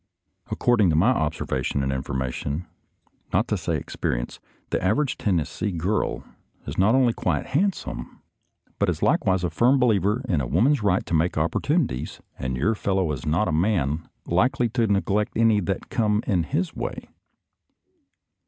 According to my observa tion and information, not to say experience, the average Tennessee girl is not only quite handsome, A FLIGHT TO ARMS 219 but is likewise a firm believer in a woman's right to make opportunities, and your fellow is not a man likely to neglect any that come in his way.